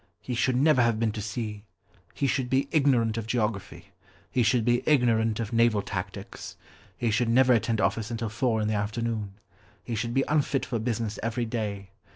He should never have been to sea. He should be ignorant of geography. He should be ignorant of naval tactics. He should never attend office until four in the afternoon. He should be unfit for business every day.